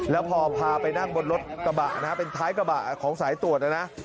แล้วพอพาไปนั่งบนรถกระบะนะฮะเป็นท้ายกระบะของสายตรวจนะนะ